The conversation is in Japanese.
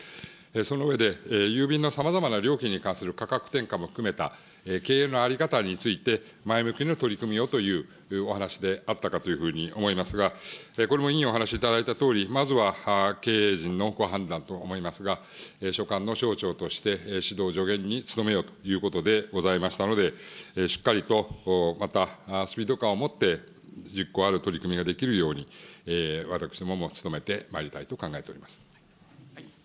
その上で、郵便のさまざまな料金に関する価格転嫁も含めた、経営の在り方について、前向きな取り組みをというお話であったかというふうに思いますが、これも委員、お話しいただいたとおり、まずは経営陣のご判断と思いますが、所管の省庁として、指導、助言につとめよということでございましたので、しっかりと、またスピード感を持って、実効ある取り組みができるように、私どもも努めてまいりたいと考えております。